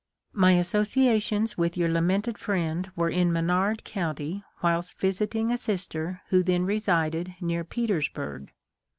My associations with your lamented friend were in Menard county whilst visiting a sister who then resided near Petersburg.